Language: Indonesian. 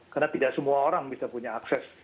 karena tidak semua orang bisa punya akses